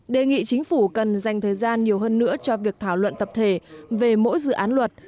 đề nghị chính phủ cần dành thời gian nhiều hơn nữa cho việc thảo luận tập thể về mỗi dự án luật